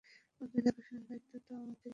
ওদের দেখাশোনার দায়িত্ব তো আমাদেরই, তাই না?